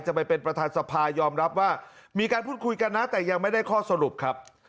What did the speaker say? ไปเป็นประธานสภายอมรับว่ามีการพูดคุยกันนะแต่ยังไม่ได้ข้อสรุปครับ